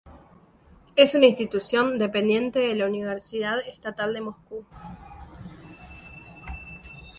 Es una institución dependiente de la "Universidad Estatal de Moscú".